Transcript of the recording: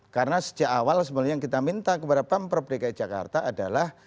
karena sejak awal sebenarnya yang kita minta kepada pemprov dki jakarta adalah